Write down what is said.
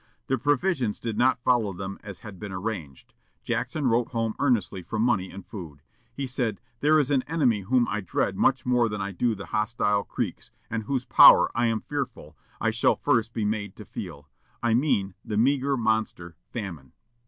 The provisions did not follow them as had been arranged. Jackson wrote home earnestly for money and food. He said, "There is an enemy whom I dread much more than I do the hostile Creeks, and whose power, I am fearful, I shall first be made to feel I mean the meagre monster, FAMINE."